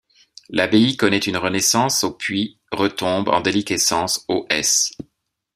L'abbaye connaît une renaissance au puis retombe en déliquescence au s.